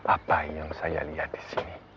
apa yang saya lihat di sini